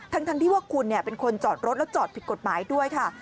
ทั้งที่ว่าคุณเป็นคนจอดรถแล้วจอดผิดกฎหมายด้วยค่ะ